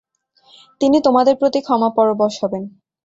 তিনি তোমাদের প্রতি ক্ষমাপরবশ হবেন।